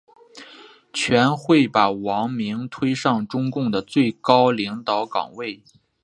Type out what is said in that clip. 全会把王明推上中共的最高领导岗位。